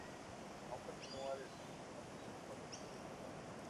Aún continúa desempeñándose como periodista.